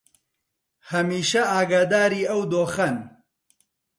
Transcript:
هەمیشە ئاگاداری ئەو دۆخەن